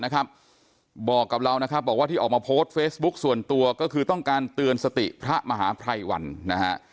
นะครับบอกกับเรานะครับบอกว่าที่ออกมาโพสต์เฟซบุ๊คส่วนตัวก็คือต้องการเตือนสติพระมหาภัยวันนะฮะ